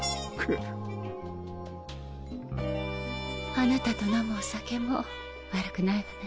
あなたと飲むお酒も悪くないわね。